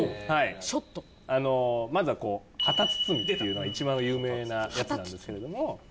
あのまずはこう旗包みっていうのが一番有名なやつなんですけれども。